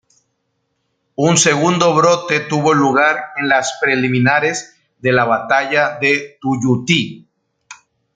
Un segundo brote tuvo lugar en las preliminares de la batalla de Tuyutí.